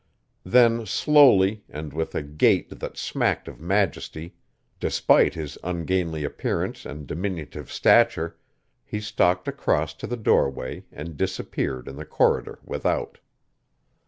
Then slowly, and with a gait that smacked of majesty despite his ungainly appearance and diminutive stature, he stalked across to the doorway and disappeared in the corridor without.